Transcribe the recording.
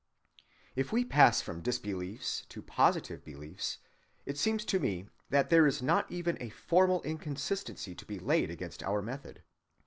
If we pass from disbeliefs to positive beliefs, it seems to me that there is not even a formal inconsistency to be laid against our method.